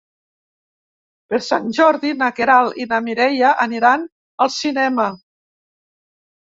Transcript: Per Sant Jordi na Queralt i na Mireia aniran al cinema.